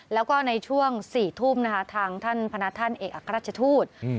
แล้วก็ในช่วง๔ทุ่มนะคะทางท่านพนักท่านเอกอัครราชทูต